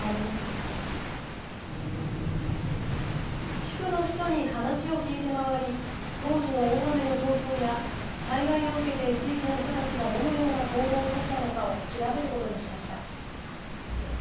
地区の人に話を聞いて回り当時の大雨の状況や災害を受けて地域の人たちがどのような行動を取ったのかを調べることにしました。